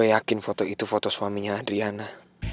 saya yakin foto itu foto suaminya adriana